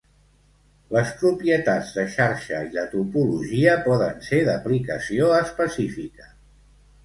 Les propietats de xarxa i la topologia poden ser d'aplicació específica.